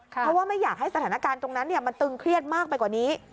เพราะว่าไม่อยากให้สถานการณ์ตรงนั้นมันตึงเครียดมากไปกว่านี้